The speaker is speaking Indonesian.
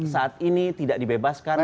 saat ini tidak dibebaskan